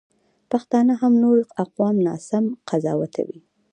پښتانه هم نور اقوام ناسم قضاوتوي.